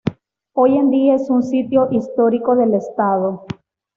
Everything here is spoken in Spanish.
Hoy en día es un sitio histórico del estado.